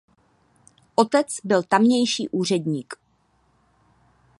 Otec byl tamější úředník.